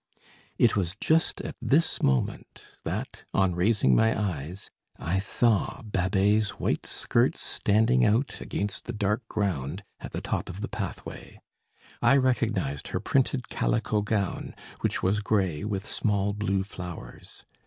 It was just at this moment that, on raising my eyes, I saw Babet's white skirts standing out against the dark ground at the top of the pathway. I recognized her printed calico gown, which was grey, with small blue flowers.